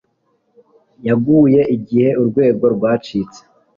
Yaguye igihe urwego rwacitse